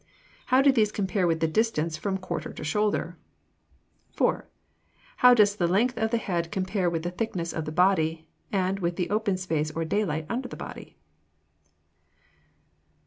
How do these compare with the distance from quarter to shoulder? 4. How does the length of the head compare with the thickness of the body and with the open space, or "daylight," under the body?